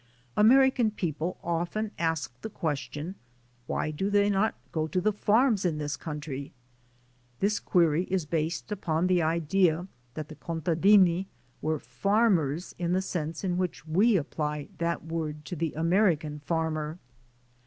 Ameri can people often ask the question, "Why do they not go to the farms in this country?" This query is based upon the idea that the "contadini" were farm ers in the sense in which we apply that word to the American farmer.